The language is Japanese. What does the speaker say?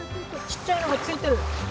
ちっちゃいのが付いてる！